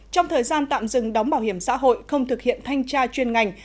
trong thời gian tạm dừng đóng bảo hiểm xã hội không thực hiện thanh tra chuyên ngành